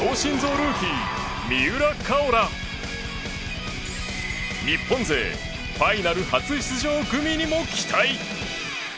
ルーキー三浦佳生ら日本勢ファイナル初出場組にも期待！